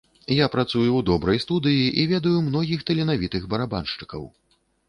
Я працую ў добрай студыі, і ведаю многіх таленавітых барабаншчыкаў.